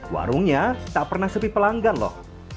warungnya tak pernah sepi pelanggan loh